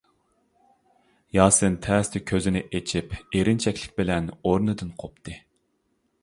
ياسىن تەستە كۆزىنى ئېچىپ، ئېرىنچەكلىك بىلەن ئورنىدىن قوپتى.